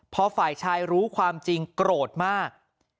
พอฝ่ายชายรู้ความจริงโกรธมาก